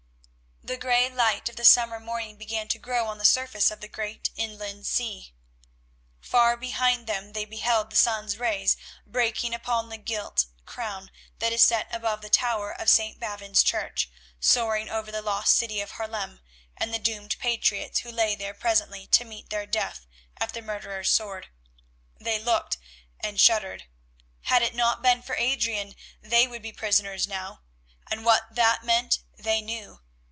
The grey light of the summer morning began to grow on the surface of the great inland sea. Far behind them they beheld the sun's rays breaking upon the gilt crown that is set above the tower of St. Bavon's Church, soaring over the lost city of Haarlem and the doomed patriots who lay there presently to meet their death at the murderer's sword. They looked and shuddered. Had it not been for Adrian they would be prisoners now, and what that meant they knew.